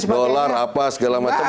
dollar apa segala macam